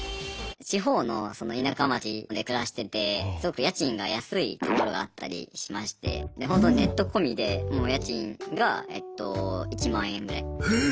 地方の田舎町で暮らしててすごく家賃が安いところがあったりしましてホントネット込みでもう家賃がえっと１万円ぐらい。